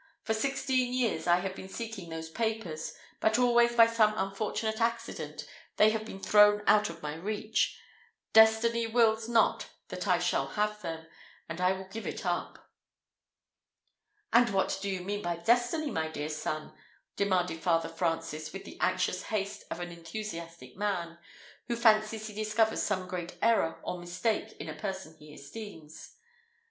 For sixteen years I have been seeking those papers, but always by some unfortunate accident they have been thrown out of my reach; destiny wills not that I shall have them, and I will give it up." "And what do you mean by destiny, my dear son?" demanded Father Francis, with the anxious haste of an enthusiastic man, who fancies he discovers some great error or mistake in a person he esteems.